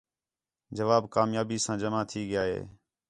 جواب کامیابی ساں جمع تھی ڳیا ہِے